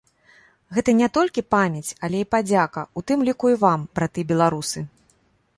Гэта не толькі памяць, але і падзяка, у тым ліку і вам, браты беларусы!